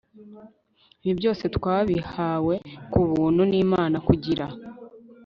Ibi byose twabihawe ku buntu nImana kugira